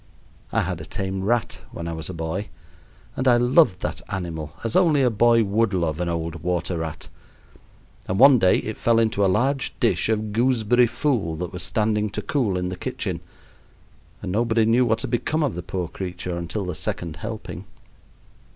I had a tame rat when I was a boy, and I loved that animal as only a boy would love an old water rat; and one day it fell into a large dish of gooseberry fool that was standing to cool in the kitchen, and nobody knew what had become of the poor creature until the second helping.